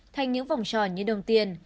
thành những vòng tròn như đồng tiền